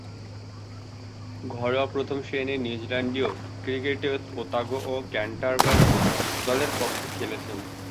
ঘরোয়া প্রথম-শ্রেণীর নিউজিল্যান্ডীয় ক্রিকেটে ওতাগো ও ক্যান্টারবারি দলের পক্ষে খেলেছেন।